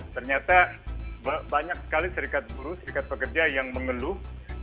ternyata banyak sekali serikat buruh serikat pekerja yang mengeluh